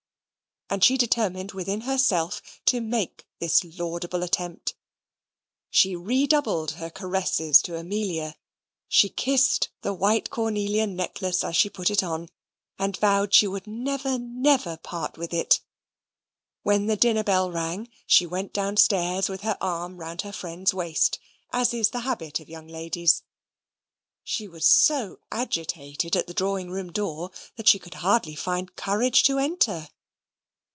And she determined within herself to make this laudable attempt. She redoubled her caresses to Amelia; she kissed the white cornelian necklace as she put it on; and vowed she would never, never part with it. When the dinner bell rang she went downstairs with her arm round her friend's waist, as is the habit of young ladies. She was so agitated at the drawing room door, that she could hardly find courage to enter.